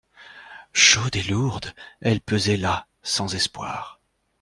Chaude et lourde, elle pesait là, sans espoir.